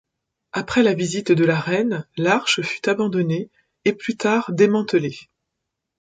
Après la visite de la reine, l'arche fut abandonnée et plus tard démantelée.